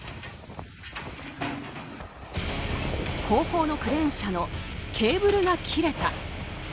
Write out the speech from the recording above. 後方のクレーン車のケーブルが切れた。